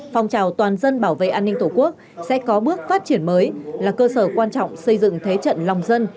phong trào toàn dân bảo vệ an ninh tổ quốc sẽ có bước phát triển mới là cơ sở quan trọng xây dựng thế trận lòng dân